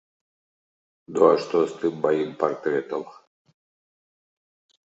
Ну, а што з тым маім партрэтам?